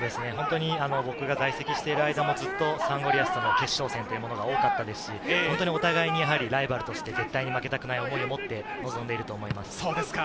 僕が在籍している間も、サンゴリアスとの決勝戦が多かったですし、お互いにライバルとして絶対負けたくない思いを持って臨んでいると思います。